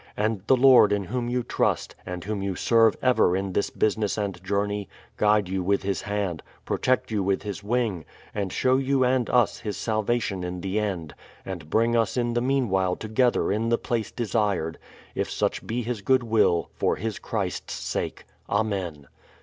And the Lord in whom you trust, and whom you serve ever in this business and journey, guide you with His hand, protect you with His wing, and show you and us His salvation in the end, and bring us in the meanwhile together in the place desired, if such be His good will, for His Christ's sake. Amen.